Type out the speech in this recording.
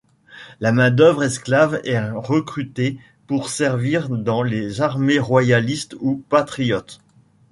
La main-d'œuvre esclave est recrutée pour servir dans les armées royalistes ou patriotes.